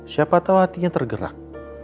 siapa tahu hatinya tergerak